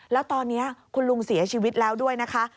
แล้วตอนนี้คุณลุงเสียชีวิตแล้วด้วยนะคะ